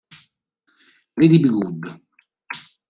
Lady Be Good